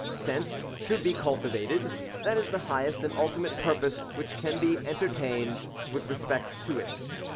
Sense should be cul tivated :— that is the highest and ultimate purpose which can be entertained with respect to it.